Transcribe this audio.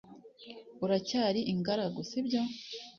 Uracyari ingaragu, si byo?